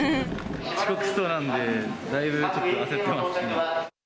遅刻しそうなんで、だいぶ焦ってます。